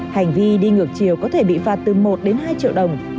hành vi đi ngược chiều có thể bị phạt từ một đến hai triệu đồng